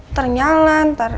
ntar nyalan ntar mati